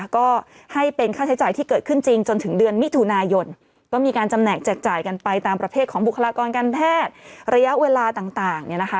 ก็ให้เป็นค่าใช้จ่ายที่เกิดขึ้นจริงจนถึงเดือนมิถุนายนก็มีการจำแหกแจกจ่ายกันไปตามประเภทของบุคลากรการแพทย์ระยะเวลาต่างเนี่ยนะคะ